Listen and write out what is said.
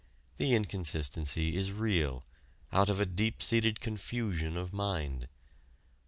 The inconsistency is real, out of a deep seated confusion of mind.